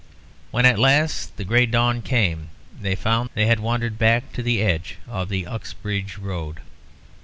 When at last the grey dawn came, they found they had wandered back to the edge of the Uxbridge Road.